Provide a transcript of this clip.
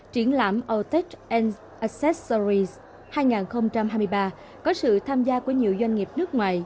triển lãm autotech accessories hai nghìn hai mươi ba có sự tham gia của nhiều doanh nghiệp nước ngoài